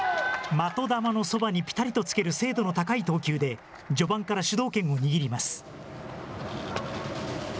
的球のそばにぴたりとつける精度の高い投球で、序盤から主導権を握ります。